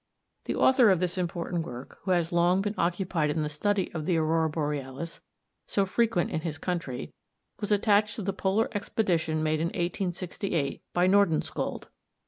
The author of this important work, who has long been occupied in the study of the aurora borealis, so frequent in his country, was attached to the polar expedition made in 1868 by Nordenskjold.